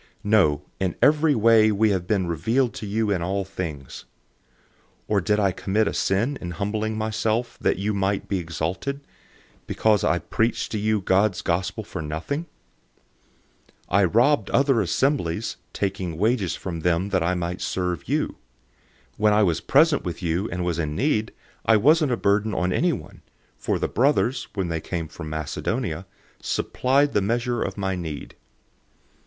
No, in every way we have been revealed to you in all things. 011:007 Or did I commit a sin in humbling myself that you might be exalted, because I preached to you God's Good News free of charge? 011:008 I robbed other assemblies, taking wages from them that I might serve you. 011:009 When I was present with you and was in need, I wasn't a burden on anyone, for the brothers, when they came from Macedonia, supplied the measure of my need.